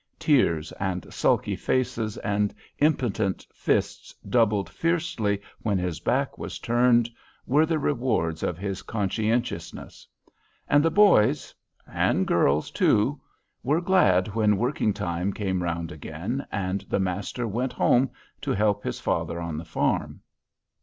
Tears and sulky faces, and impotent fists doubled fiercely when his back was turned, were the rewards of his conscientiousness; and the boys—and girls too—were glad when working time came round again, and the master went home to help his father on the farm.